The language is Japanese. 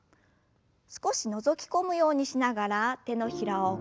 少しのぞき込むようにしながら手のひらを返して腕を前に。